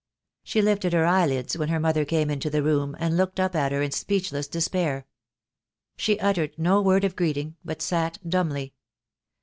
She lifted her eyelids when her mother came into the room, and looked up at her in speechless despair. She uttered no word of greeting, but sat dumbly.